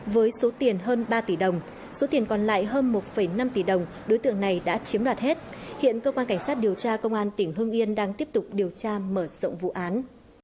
với số tiền hơn ba tỷ đồng số tiền còn lại hơn một năm tỷ đồng đối tượng này đã chiếm đoạt hết hiện cơ quan cảnh sát điều tra công an tỉnh hương yên đang tiếp tục điều tra mở rộng vụ án